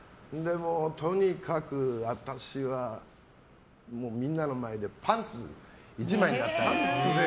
とにかく、私はみんなの前でパンツ１枚になって。